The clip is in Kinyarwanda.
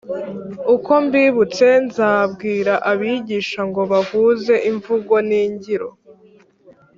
uko mbibutse nzabwira abigisha ngo bahuze imvugo n'ingiro,